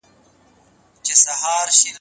نَحْنُ نَقُصُّ عَلَيْكَ أَحْسَنَ الْقَصَصِ.